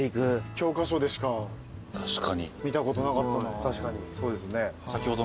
教科書でしか見たことなかったな。